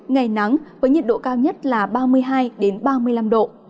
ngày nắng với nhiệt độ cao nhất là ba mươi hai ba mươi năm độ